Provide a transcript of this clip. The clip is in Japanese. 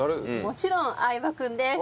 もちろん相葉くんです！